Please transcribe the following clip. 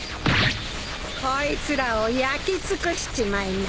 こいつらを焼き尽くしちまいな。